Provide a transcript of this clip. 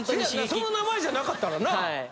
その名前じゃなかったらな。